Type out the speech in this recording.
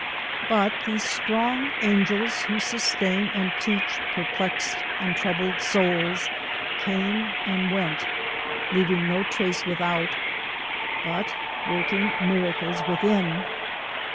But the strong angels who sustain and teach perplexed and troubled souls came and went, leaving no trace without, but working miracles within.